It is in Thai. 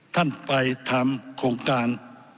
ท่านไปทำโครงการ